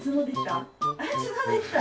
つのできた？